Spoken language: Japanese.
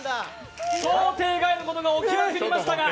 想定外のことが起きてしまいましたが。